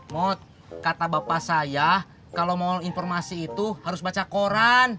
mot kata bapak saya kalau mau informasi itu harus baca koran